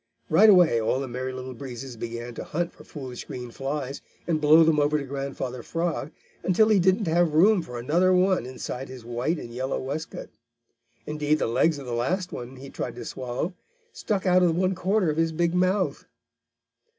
Right away all the Merry Little Breezes began to hunt for foolish green flies and blow them over to Grandfather Frog, until he didn't have room for another one inside his white and yellow waistcoat. Indeed the legs of the last one he tried to swallow stuck out of one corner of his big mouth.